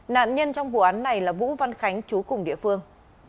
nạn nhân trong vụ án này là vũ văn khánh chú cùng địa phương